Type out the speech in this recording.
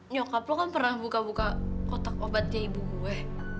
nyokap lo kan pernah buka buka kotak obatnya ibu gue